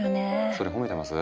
それ褒めてます？